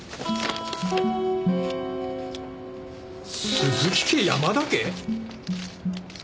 鈴木家山田家！？